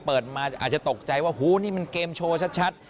เปิดมาอาจจะตกใจว่าหูนี่มันเกมโชว์ชัด